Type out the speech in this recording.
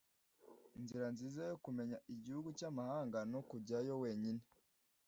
Inzira nziza yo kumenya igihugu cyamahanga nukujyayo wenyine.